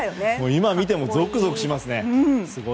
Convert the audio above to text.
今見てもゾクゾクしますね。